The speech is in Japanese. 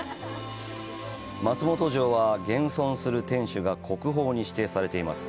松本城は、現存する天守が国宝に指定されています。